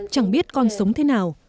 chẳng biết con sống thế nào